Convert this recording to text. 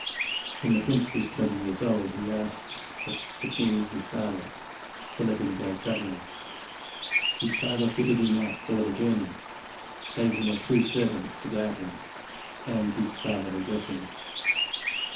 When the prince was twenty years old, he asked the king, his father, to let him go traveling. His father fitted him out for the journey, gave him a true servant to guard him, and his fatherly blessing.